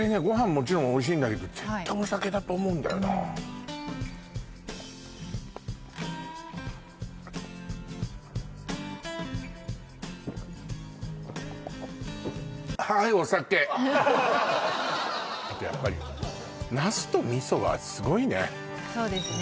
もちろんおいしいんだけど絶対お酒だと思うんだよなあとやっぱりそうですね